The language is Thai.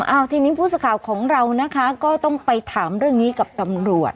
เอาทีนี้ผู้สื่อข่าวของเรานะคะก็ต้องไปถามเรื่องนี้กับตำรวจ